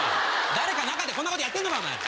誰か中でこんなことやってんのか？